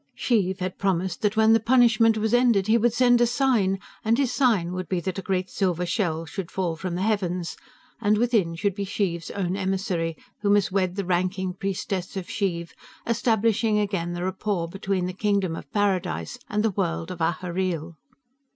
"Xheev had promised that when the punishment was ended, he would send a sign, and his sign would be that a great silver shell should fall from the heavens, and within would be Xheev's own emissary, who must wed the ranking priestess of Xheev, establishing again the rapport between the kingdom of paradise and the world of Ahhreel."